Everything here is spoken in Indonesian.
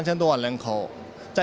zonjawa memiliki tiga orang